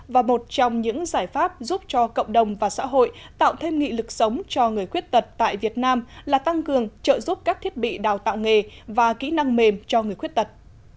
và một trong những giải pháp giúp cho cộng đồng và xã hội tạo thêm nghị lực sống cho người khuyết tật tại việt nam là tăng cường trợ giúp các thiết bị đào tạo nghề và kỹ năng mềm cho người khuyết tật